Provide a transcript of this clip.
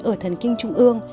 ở thần kinh trung ương